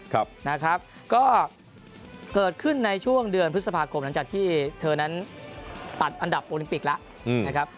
ครับนะครับก็เกิดขึ้นในช่วงเดือนพฤษภาคมหลังจากที่เธอนั้นตัดอันดับโอลิมปิกแล้วนะครับ